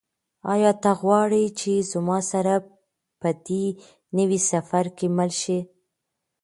آیا ته غواړې چې زما سره په دې نوي سفر کې مل شې؟